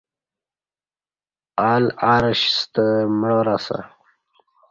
ال عرش ستہ معار اسہ۔